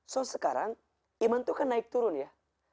so sekarang iman itu kan naik turun ya